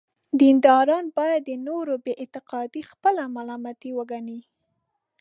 دینداران باید د نورو بې اعتقادي خپله ملامتي وګڼي.